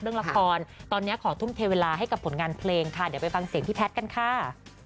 เรื่องละครตอนนี้ขอทุ่มเทเวลาให้กับผลงานเพลงค่ะเดี๋ยวไปฟังเสียงพี่แพทย์กันค่ะ